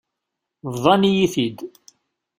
Bḍan-iyi-t-id.